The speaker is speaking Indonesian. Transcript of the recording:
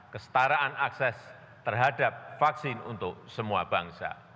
kestaraan akses terhadap vaksin untuk semua bangsa